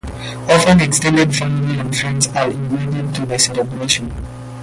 Often extended family and friends are invited to the celebration.